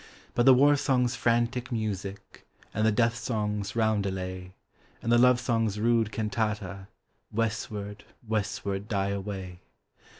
But the warsong's frantic music, And the deathsong's roundelay, And the lovesong's rude cantata, Westward, westward die away.